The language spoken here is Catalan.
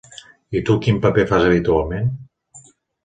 I tu, quin paper fas habitualment?